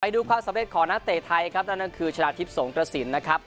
ดูความสำเร็จของนักเตะไทยครับนั่นก็คือชนะทิพย์สงกระสินนะครับ